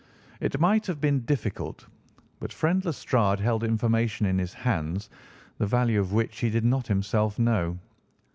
"It might have been difficult, but friend Lestrade held information in his hands the value of which he did not himself know.